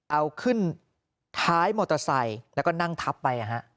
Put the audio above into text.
เอาขึ้นท้ายมอเตอร์ไซค์แล้วก็นั่งทับไป